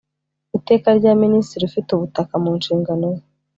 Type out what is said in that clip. iteka rya minisitiri ufite ubutaka mu nshingano ze